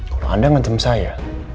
kalau anda ngancam saya